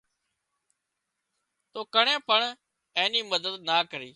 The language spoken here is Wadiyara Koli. تو ڪڻين پڻ اين مدد نا ڪرِي